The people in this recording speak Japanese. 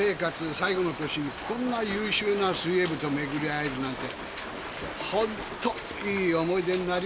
最後の年にこんな優秀な水泳部と巡り会えるなんてホントいい思い出になりますわ。